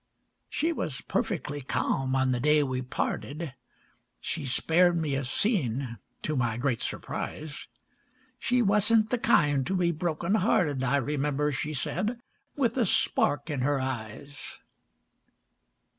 She was perfectly calm on the day we parted; She spared me a scene, to my great surprise. "She wasn't the kind to be broken hearted," I remember she said, with a spark in her eyes.